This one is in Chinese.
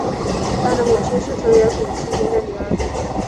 他的母亲是藤原时平的女儿。